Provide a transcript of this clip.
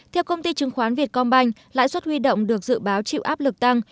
theo công ty chứng khoán vietcombank lãi suất huy động được dự báo chịu áp lực tăng